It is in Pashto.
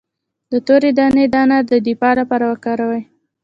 د تورې دانې دانه د دفاع لپاره وکاروئ